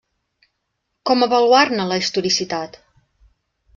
Com avaluar-ne la historicitat?